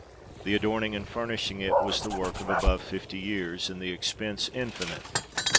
The adorning and furnishing it was the work of above fifty years, and the expense infinite.